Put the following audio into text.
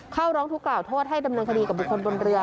เข้าร้องทุกกล่าวโทษให้ดำเนินคดีกับบุคคลบนเรือ